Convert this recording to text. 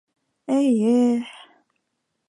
Эйе-е...